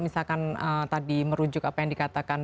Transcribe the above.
misalkan tadi merujuk apa yang dikatakan